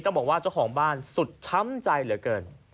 บอกว่าเจ้าของบ้านสุดช้ำใจเหลือเกิน